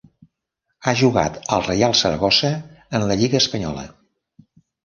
Ha jugat al Reial Saragossa en la lliga espanyola.